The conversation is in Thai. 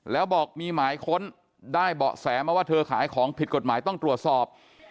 แล้วบอกมีหมายค้นได้เบาะแสมาว่าเธอขายของผิดกฎหมายต้องตรวจสอบ